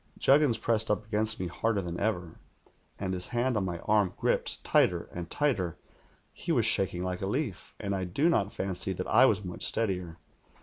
Juggins pressed up against me harder than ever, and his hand on my arm gripped tighter and tighter. He was shaking like a leaf, and I do not fancy that I was much steadier.